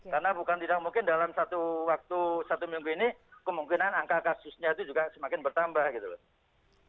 karena bukan tidak mungkin dalam satu waktu satu minggu ini kemungkinan angka kasusnya itu juga semakin bertambah gitu loh